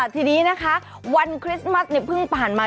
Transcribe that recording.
ทีนี้นะคะวันคริสต์มัสเพิ่งผ่านมา